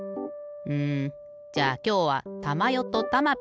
うんじゃあきょうはたまよとたまピー。